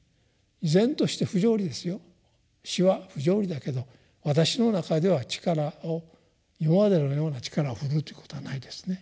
依然として不条理ですよ「死」は不条理だけど私の中では力を今までのような力を振るうということはないですね。